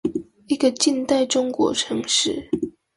一個近代中國城市